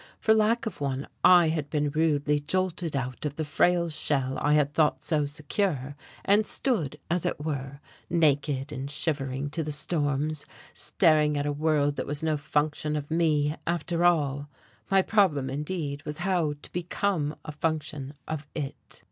For lack of one I had been rudely jolted out of the frail shell I had thought so secure, and stood, as it were, naked and shivering to the storms, staring at a world that was no function of me, after all. My problem, indeed, was how to become a function of it....